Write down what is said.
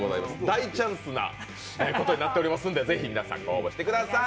大チャンスなことになっておりますので、ぜひ皆さん、ご応募してください。